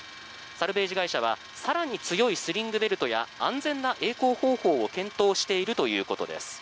サルベージ会社は更に強いスリングベルトや安全なえい航方法を検討しているということです。